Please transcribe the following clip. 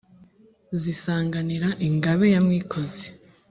zisanganira ingabe ya mwikozi,